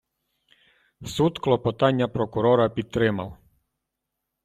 Суд клопотання прокурора підтримав.